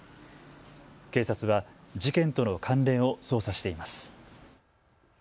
警察は事件との関連を捜査しています。